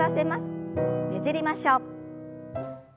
ねじりましょう。